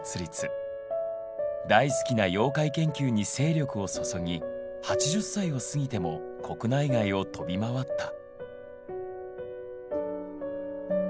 大好きな妖怪研究に精力を注ぎ８０歳を過ぎても国内外を飛び回った。